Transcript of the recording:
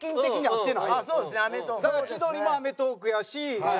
だから千鳥も『アメトーーク』やし。